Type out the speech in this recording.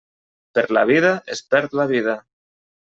Per la vida, es perd la vida.